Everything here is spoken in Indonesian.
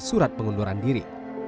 surat pengunduran diri